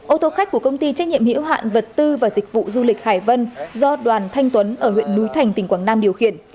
ô tô khách của công ty trách nhiệm hiểu hạn vật tư và dịch vụ du lịch hải vân do đoàn thanh tuấn ở huyện núi thành tỉnh quảng nam điều khiển